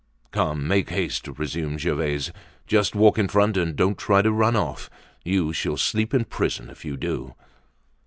"Come, make haste!" resumed Gervaise. "Just walk in front, and don't try to run off. You shall sleep in prison if you do."